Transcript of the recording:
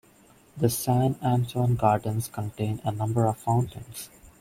The San Anton Gardens contain a number of fountains.